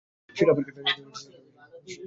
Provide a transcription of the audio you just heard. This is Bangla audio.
সেটা আবার কী?